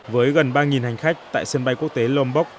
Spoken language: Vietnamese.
với gần ba hành khách tại sân bay quốc tế lombok